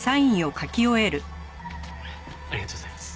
ありがとうございます。